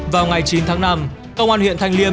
vào ngày chín tháng năm công an huyện thanh liêm